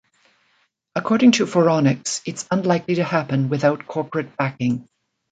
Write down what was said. According to Phoronix, it's unlikely to happen without corporate backing.